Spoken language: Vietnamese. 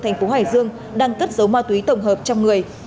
thành phố hải dương đang cất giấu ma túy tổng hợp trong người